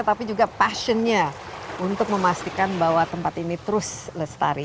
tapi juga passionnya untuk memastikan bahwa tempat ini terus lestari